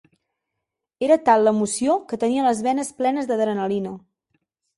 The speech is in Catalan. Era tal l'emoció que tenia les venes plenes d'adrenalina.